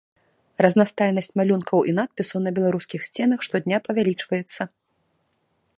Разнастайнасць малюнкаў і надпісаў на беларускіх сценах штодня павялічваецца.